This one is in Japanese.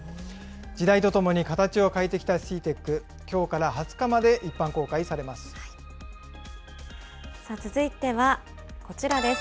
時代とともに形を変えてきたＣＥＡＴＥＣ、きょうから２０日まで続いてはこちらです。